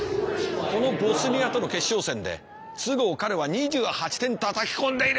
このボスニアとの決勝戦で都合彼は２８点たたき込んでいる！